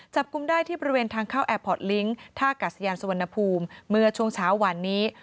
จับกลุ่มได้ที่บริเวณทางเข้าแอร์พอร์ตลิงก์ท่ากาศยานสุวรรณภูมิเมื่อช่วงเช้าวันนี้